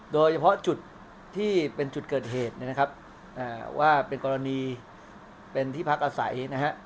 โดยเฉพาะจุดที่เป็นจุดเกิดเหตุนะครับว่าเป็นกรณีเป็นที่พักอาศัยนะฮะ